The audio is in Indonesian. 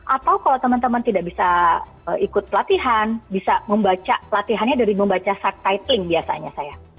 atau kalau teman teman tidak bisa ikut pelatihan bisa membaca latihannya dari membaca subtiteling biasanya saya